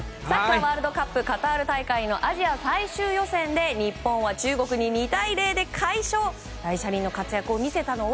サッカーワールドカップカタール大会のアジア最終予選で日本は中国に２対０で快勝しました。